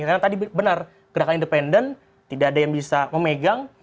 karena tadi benar gerakan independen tidak ada yang bisa memegang